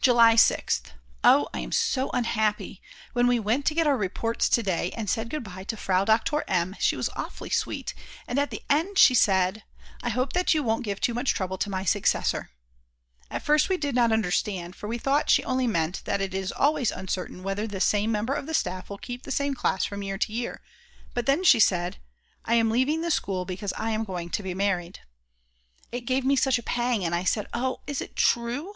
July 6th. Oh, I am so unhappy, when we went to get our reports to day and said good bye to Frau Doktor M., she was awfully sweet, and at the end she said: "I hope that you won't give too much trouble to my successor." At first we did not understand, for we thought she only meant that it is always uncertain whether the same member of the staff will keep the same class from year to year, but then she said: "I am leaving the school because I am going to be married." It gave me such a pang, and I said: "Oh, is it true?"